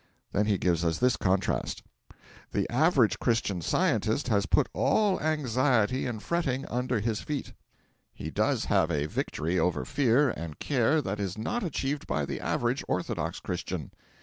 Then he gives us this contrast: 'The average Christian Scientist has put all anxiety and fretting under his feet. He does have a victory over fear and care that is not achieved by the average orthodox Christian.'